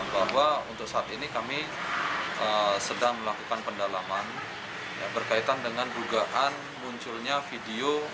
bahwa untuk saat ini kami sedang melakukan pendalaman berkaitan dengan dugaan munculnya video